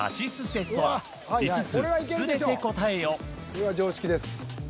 これは常識です。